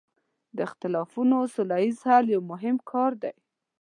د اختلافونو سوله ییز حل یو مهم کار دی.